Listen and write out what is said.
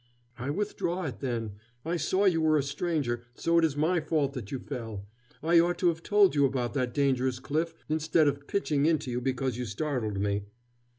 "I withdraw it, then.... I saw you were a stranger, so it is my fault that you fell. I ought to have told you about that dangerous cliff instead of pitching into you because you startled me."